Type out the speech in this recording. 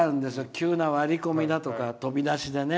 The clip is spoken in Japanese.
急な割り込みだとか飛び出しでね。